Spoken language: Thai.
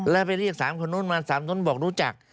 แล้วไปเรียก๓คนนู้นมา๓นู้นบอกรู้จัก